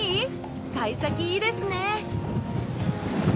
幸先いいですね。